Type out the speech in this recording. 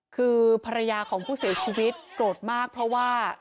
คือภรรยาของผู้เสียชีวิตโกรธมากเพราะว่า